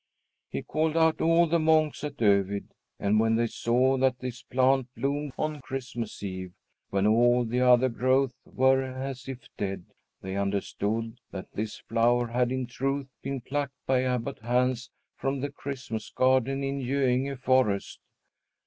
He called out all the monks at Övid, and when they saw that this plant bloomed on Christmas Eve, when all the other growths were as if dead, they understood that this flower had in truth been plucked by Abbot Hans from the Christmas garden in Göinge forest.